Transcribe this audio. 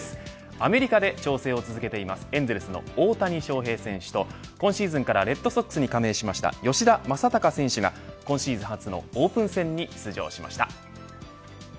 アメリカで調整を続けているエンゼルスの大谷翔平選手と今シーズンからレッドソックスに加盟した吉田正尚選手が今シーズン初のオープン戦に出場しました。